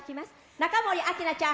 中森明菜ちゃん。